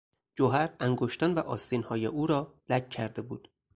جوهر انگشتان و آستینهای او را لک کرده بود.